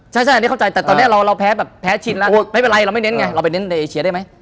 ใช่อันนี้เข้าใจแต่ตอนนี้เราแพ้แบบแพ้ชินแล้วไม่เป็นไรเราไม่เน้นไงเราไปเน้นในเอเชียได้ไหม